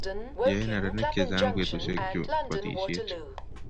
Yae neranik chechang petushek chuu batishet